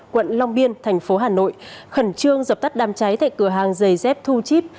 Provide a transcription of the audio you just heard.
quận long biên thành phố hà nội khẩn trương dập tắt đám cháy tại cửa hàng giày dép thu chip